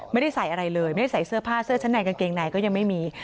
ไม่ได้ใส่อะไรเลยไม่ได้ใส่เสื้อผ้าเสื้อชั้นในกางเกงในก็ยังไม่มี